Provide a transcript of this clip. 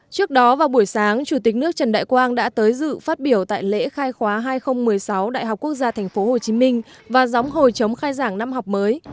trước đó vào buổi sáng chủ tịch nước trần đại quang đã tới dự phát biểu tại lễ khai khóa hai nghìn một mươi sáu đại học quốc gia tp hcm và gióng hồi chống khai giảng năm học mới